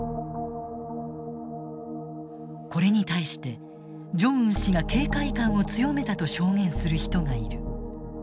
これに対してジョンウン氏が警戒感を強めたと証言する人がいる。